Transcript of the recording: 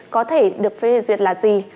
có thể được phê duyệt là gì